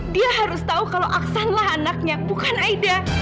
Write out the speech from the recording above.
dia harus tahu kalau aksanlah anaknya bukan aida